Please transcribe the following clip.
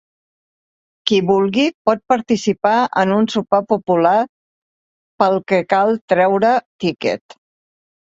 Qui vulgui, pot participar en un sopar popular pel que cal treure tiquet.